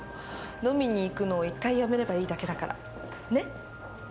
飲みに行くのを一回やめればいいだけだからねっ。